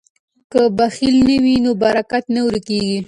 که بخل نه وي نو برکت نه ورکیږي.